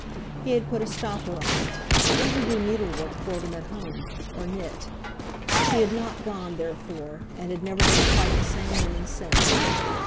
He had put a stopper on it. Let her do needlework for them at home, or knit! She had not gone, therefore, and had never been quite the same woman since.